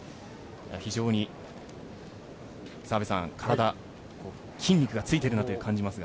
非常に体、筋肉がついているなと感じますが。